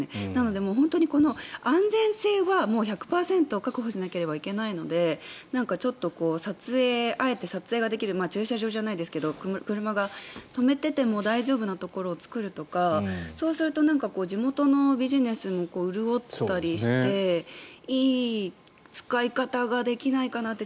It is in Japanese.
でも、安全性はもう１００％確保しなければいけないのでちょっとあえて撮影ができる駐車場じゃないですけど車を止めてても大丈夫なところを作るとかそうすると地元のビジネスも潤ったりしていい使い方ができないかなって。